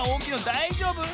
だいじょうぶ？